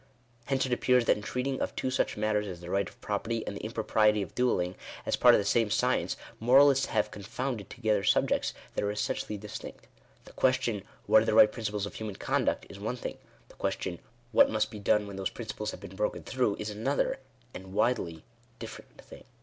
Hence it appears, that in treating of two such matters as the right of property, and the impropriety of duelling, as parts of the same science, moralists have confounded together subjects that are essentially distinct. The question — What are the right principles of human conduct ? is one thing ; the ques tion — What must be done when those principles have been broken through? is another, and widely different thing.